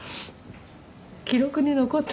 記録に残って。